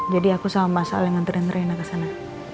jadi aku sama sama saling ngeranturin reina ke sana